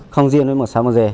không riêng với xã mồ dề